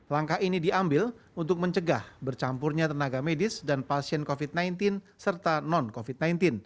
langkah ini diambil untuk mencegah bercampurnya tenaga medis dan pasien covid sembilan belas serta non covid sembilan belas